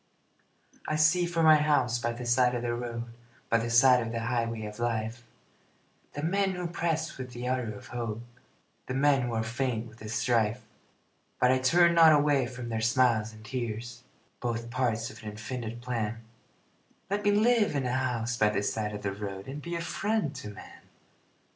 I see from my house by the side of the road By the side of the highway of life, The men who press with the ardor of hope, The men who are faint with the strife, But I turn not away from their smiles and tears, Both parts of an infinite plan Let me live in a house by the side of the road And be a friend to man.